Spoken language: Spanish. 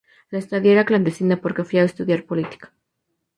La estadía era clandestina porque fui a estudiar política.